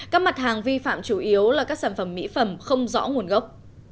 các mặt hàng vi phạm chủ yếu là các sản phẩm mỹ phẩm không rõ nguồn gốc